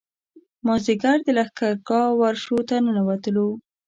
مازیګر د لښکرګاه ورشو ته ننوتلو.